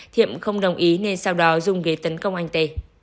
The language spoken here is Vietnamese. thiệm không đồng ý nên sau đó dùng ghế tấn công anh t